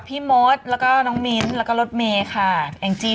นี่มีใครบ้างเนี่ยอยู่กับใครบ้างครับเนี่ย